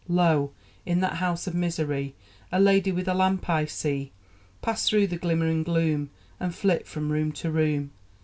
Lo! in that house of misery A lady with a lamp I see Pass through the glimmering gloom, And flit from room to room.